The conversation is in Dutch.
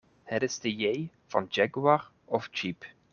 Het is de J van Jaguar of Jeep.